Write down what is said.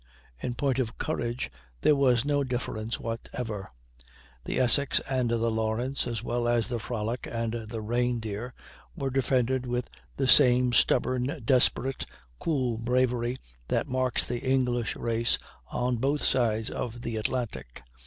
In point of courage there was no difference whatever. The Essex and the Lawrence, as well as the Frolic and the Reindeer, were defended with the same stubborn, desperate, cool bravery that marks the English race on both sides of the Atlantic.